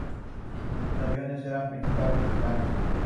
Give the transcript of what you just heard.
Sus aviones eran principalmente blancos.